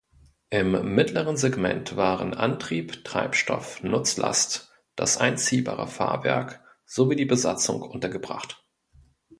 Im mittleren Segment waren Antrieb, Treibstoff, Nutzlast, das einziehbare Fahrwerk sowie die Besatzung untergebracht.